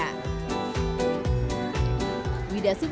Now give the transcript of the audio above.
peminatnya lebih banyak kalangan muda dan keluarga